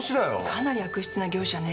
かなり悪質な業者ね。